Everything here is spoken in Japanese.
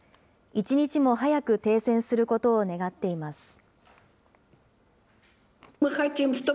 一日も早く停戦することを願っています。